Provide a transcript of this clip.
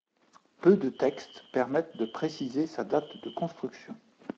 Peu de textes permettent de préciser sa date de construction.